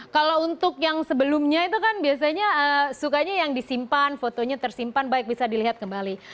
kalau untuk yang sebelumnya itu kan biasanya sukanya yang disimpan fotonya tersimpan baik bisa dilihat kembali